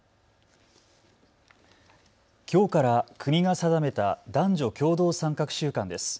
きょうから国が定めた男女共同参画週間です。